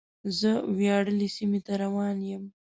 زه وياړلې سیمې ته روان یم.